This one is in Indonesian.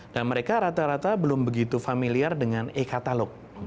dan mereka rata rata belum begitu familiar dengan e katalog